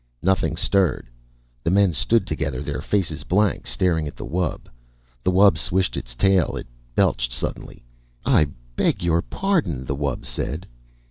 Nothing stirred. The men stood together, their faces blank, staring at the wub. The wub swished its tail. It belched suddenly. "I beg your pardon," the wub said.